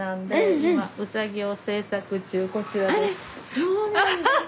そうなんですか。